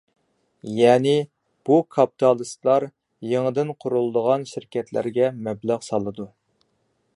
يەنى، بۇ كاپىتالىستلار يېڭىدىن قۇرۇلىدىغان شىركەتلەرگە مەبلەغ سالىدۇ.